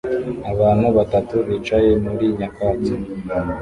Abantu batatu bicaye muri nyakatsi